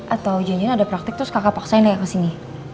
atau janjian ada praktek terus kakak paksain aja kesini